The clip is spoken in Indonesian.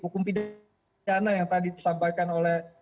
hukum pidana yang tadi disampaikan oleh